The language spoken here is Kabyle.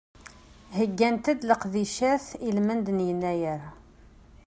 Heggant-d leqdicat i lmend n yennayer.